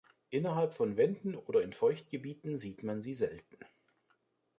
Innerhalb von Wäldern oder in Feuchtgebieten sieht man sie selten.